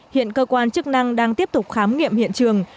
hiện cơ quan chức năng đang tiếp tục khám nghiệm hiện trường